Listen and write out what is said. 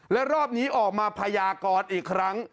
และรอบนี้ออกมาพยากรอีกครั้ง